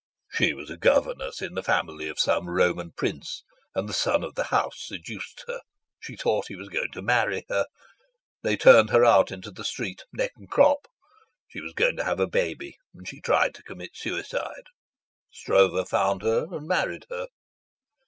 "She was a governess in the family of some Roman prince, and the son of the house seduced her. She thought he was going to marry her. They turned her out into the street neck and crop. She was going to have a baby, and she tried to commit suicide. Stroeve found her and married her."